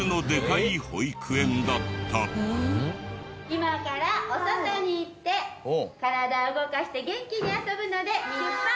今からお外に行って体を動かして元気に遊ぶので出発！